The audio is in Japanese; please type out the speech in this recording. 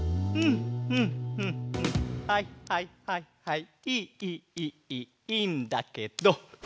いいいいいいいいいいんだけど。